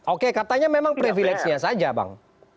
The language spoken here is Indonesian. oke katanya memang privilege nya saja bang